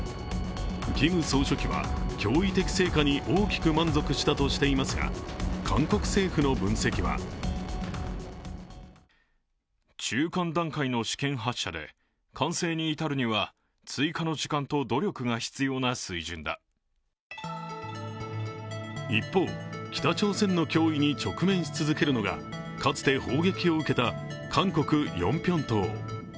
キム総書記は驚異的成果に大きく満足したとしていますが韓国政府の分析は一方、北朝鮮の脅威に直面し続けるのがかつて砲撃を受けた韓国・ヨンピョン島。